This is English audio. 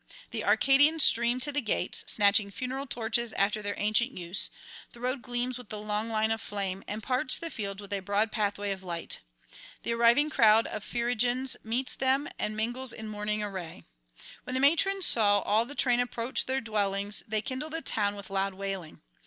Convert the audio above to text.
The Arcadians stream to the gates, snatching funeral torches after their ancient use; the road gleams with the long line of flame, and parts the fields with a broad pathway of light; the arriving crowd of Phrygians meets them and mingles in mourning array. When the matrons saw all the train approach their dwellings they kindle the town with loud wailing.